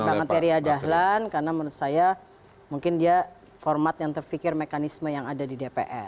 bang arteria dahlan karena menurut saya mungkin dia format yang terfikir mekanisme yang ada di dpr